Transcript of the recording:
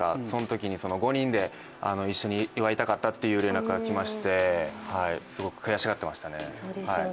そのときに５人で一緒に祝いたかったという連絡がきまして、すごく悔しがってましたね。